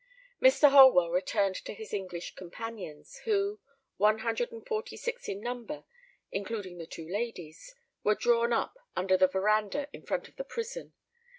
Mr. Holwell returned to his English companions, who, one hundred and forty six in number, including the two ladies, were drawn up under the verandah in front of the prison.